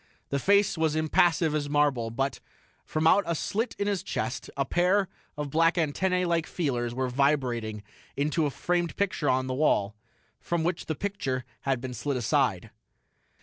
The face was impassive as marble, but, from out a slit in his chest, a pair of black antennae like feelers were vibrating into a framed picture on the wall, from which the picture had been slid aside.